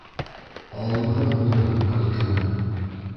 Алымһыҙ булырһың көҙ көнө.